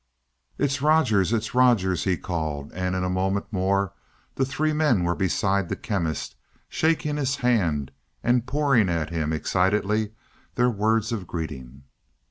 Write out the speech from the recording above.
"It's Rogers it's Rogers!" he called; and in a moment more the three men were beside the Chemist, shaking his hand and pouring at him excitedly their words of greeting.